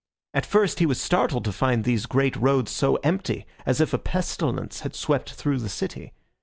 At first he was startled to find these great roads so empty, as if a pestilence had swept through the city.